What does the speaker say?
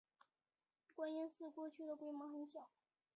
观音寺过去的规模很小。